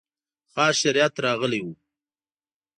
خاص شریعت راغلی و.